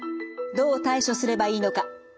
どう対処すればいいのか。